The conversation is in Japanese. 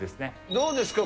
どうですか？